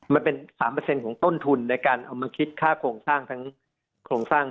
มันเป็น๓ของต้นทุนในการเอามาคิดค่าโครงสร้างทั้งโครงสร้าง